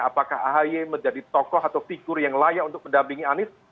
apakah ahy menjadi tokoh atau figur yang layak untuk mendampingi anies